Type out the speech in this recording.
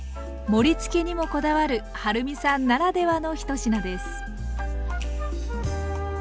盛りつけにもこだわるはるみさんならではの１品です。